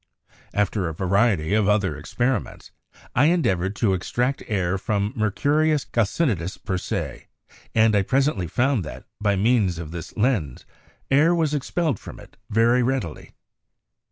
After a variety of other experiments, I endeav ored to extract air from 'mercurius calcinatus per se,' and I presently found that, by means of this lens, air was expelled from it very readily.